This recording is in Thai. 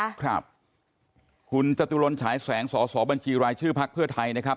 ขอบคุณครับคุณจติวรณฉายแสงสสบัญชีรายชื่อภักดิ์เพื่อไทยนะครับ